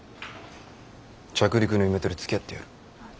着陸のイメトレつきあってやる。